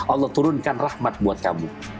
allah turunkan rahmat buat kamu